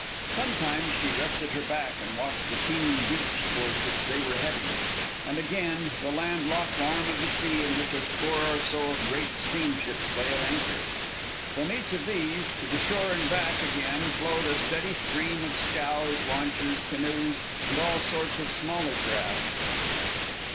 Sometimes she rested her back and watched the teeming beach towards which they were heading, and again, the land locked arm of the sea in which a score or so of great steamships lay at anchor. From each of these, to the shore and back again, flowed a steady stream of scows, launches, canoes, and all sorts of smaller craft.